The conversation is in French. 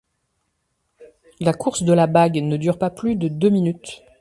La course de la Bague ne dure pas plus de deux minutes.